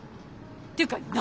っていうか何？